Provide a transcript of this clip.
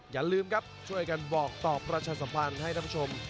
อย่าลืมครับช่วยกันบอกต่อประชาสัมพันธ์ให้ท่านผู้ชม